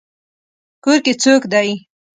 کور کې څوک دی؟